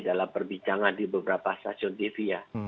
dalam perbincangan di beberapa stasiun tv ya